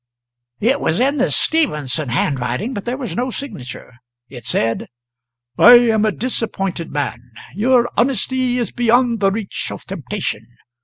It was in the "Stephenson" handwriting, but there was no signature. It said: "I am a disappointed man. Your honesty is beyond the reach of temptation.